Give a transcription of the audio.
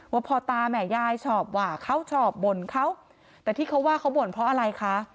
พ่อตาแม่ยายชอบว่าเขาชอบบ่นเขาแต่ที่เขาว่าเขาบ่นเพราะอะไรคะ